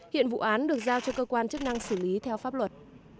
hiện vụ án được giao cho cơ quan chức năng xử lý theo pháp luật